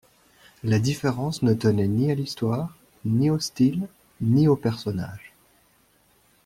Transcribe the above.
La différence ne tenait ni à l’histoire, ni au style, ni aux personnages.